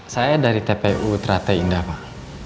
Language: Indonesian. saya dari tpu trate indah pak